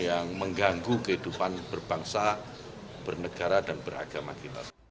yang mengganggu kehidupan berbangsa bernegara dan beragama kita